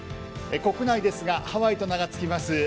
国内ですがハワイと名がつきます。